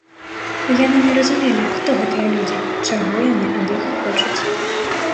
Яны не разумелі, хто гэтыя людзі, чаго яны ад іх хочуць.